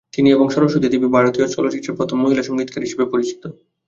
তিনি এবং সরস্বতী দেবী ভারতীয় চলচ্চিত্রের প্রথম মহিলা সংগীতকার হিসাবে বিবেচিত।